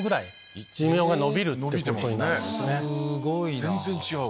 全然違うわ。